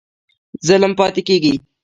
ظلم پاتی کیږي؟